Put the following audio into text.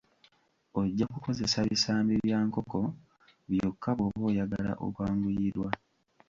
Ojja kukozesa bisambi bya nkoko byokka bwoba oyagala okwanguyirwa.